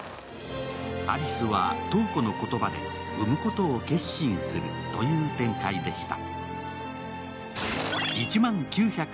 アリスは瞳子の言葉で産むことを決心するという展開でした。